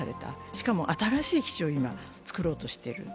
しかも新しい基地を今、つくろうとしている。